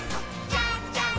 じゃんじゃん！